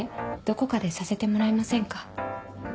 どこかでさせてもらえませんか？